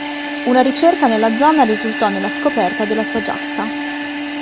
Una ricerca nella zona risultò nella scoperta della sua giacca.